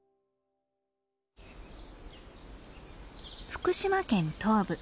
福島県東部。